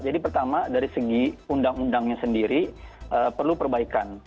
jadi pertama dari segi undang undangnya sendiri perlu perbaikan